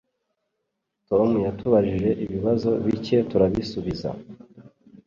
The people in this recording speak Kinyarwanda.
Tom yatubajije ibibazo bike turabisubiza.